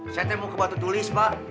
saya temu ke batu tulis pak